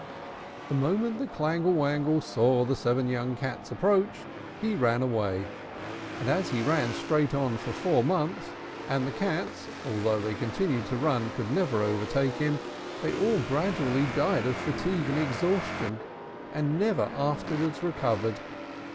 The moment the Clangle Wangle saw the seven young Cats approach, he ran away; and as he ran straight on for four months, and the Cats, though they continued to run, could never overtake him, they all gradually died of fatigue and exhaustion, and never afterwards recovered.